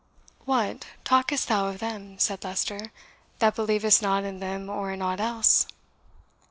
"What, talkest thou of them," said Leicester, "that believest not in them or in aught else?"